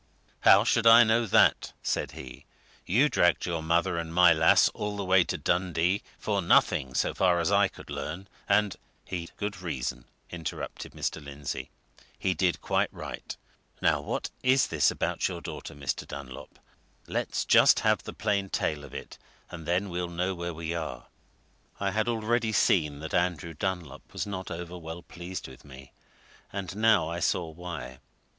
"How should I know that?" said he. "You dragged your mother and my lass all the way to Dundee for nothing so far as I could learn; and " "He'd good reason," interrupted Mr. Lindsey. "He did quite right. Now what is this about your daughter, Mr. Dunlop? Just let's have the plain tale of it, and then we'll know where we are." I had already seen that Andrew Dunlop was not over well pleased with me and now I saw why.